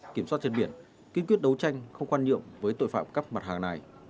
kiểm soát trên biển kiên quyết đấu tranh không quan nhiệm với tội phạm cắp mặt hàng này